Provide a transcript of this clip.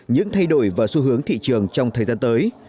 những thay đổi và xu hướng thị trường trong thời gian tới